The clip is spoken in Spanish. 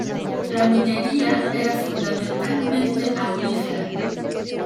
La minería era fundamentalmente aurífera.